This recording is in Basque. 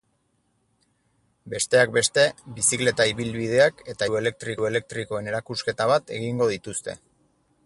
Besteak beste, bizikleta ibilbideak eta ibilgailu elektrikoen erakusketa bat egingo dituzte.